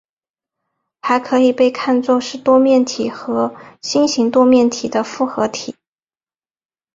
这可以被看作是多面体和星形多面体的复合体。